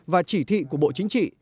và chỉ thị của bộ chính trị